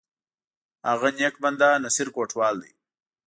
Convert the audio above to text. هغه نیک بنده، نصیر کوټوال دی!